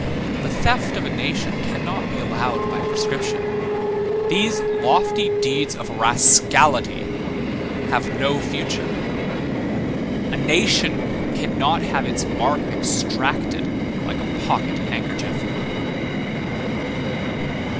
The theft of a nation cannot be allowed by prescription. These lofty deeds of rascality have no future. A nation cannot have its mark extracted like a pocket handkerchief.